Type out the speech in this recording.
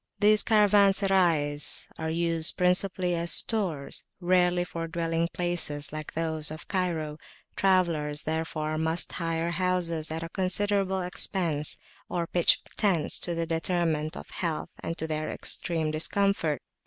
These Caravanserais are used principally as stores, rarely for dwelling places like those of Cairo; travellers, therefore, must hire houses at a considerable expense, or pitch tents to the detriment of health and to their extreme discomfort.